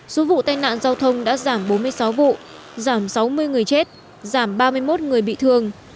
số vụ tai nạn giao thông đã giảm bốn mươi sáu vụ giảm sáu mươi người chết giảm ba mươi một người bị thương